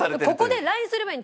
ここでＬＩＮＥすればいい。